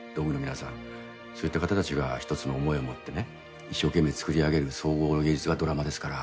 そういった方たちが一つの思いを持ってね一生懸命作り上げる総合の芸術がドラマですから。